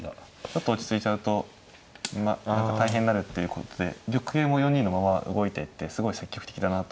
ちょっと落ち着いちゃうと大変になるっていうことで玉形も４二のまま動いてってすごい積極的だなと思った。